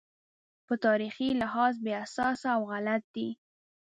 په تاریخي لحاظ بې اساسه او غلط دی.